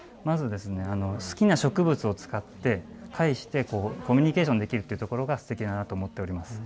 好きな植物を使ってコミュニケーションができるというのがすてきだなと思っております。